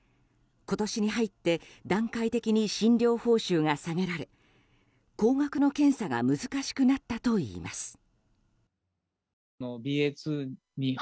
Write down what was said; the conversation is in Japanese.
今年に入って段階的に診療報酬が下げられ高額の検査が難しくなったといいます。